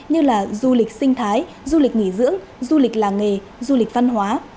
như là du lịch sinh thái du lịch nghỉ dưỡng du lịch làng nghề du lịch văn hóa